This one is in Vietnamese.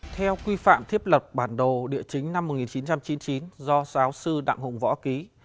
theo quy phạm thiết lập bản đồ địa chính năm một nghìn chín trăm chín mươi chín do giáo sư đặng hùng võ ký